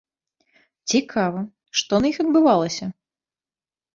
Цікава, што на іх адбывалася?